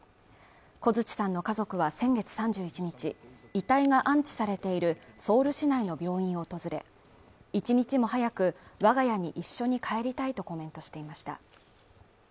小槌さんの家族は先月３１日遺体が安置されているソウル市内の病院を訪れ１日も早く我が家に一緒に帰りたいとコメントしていました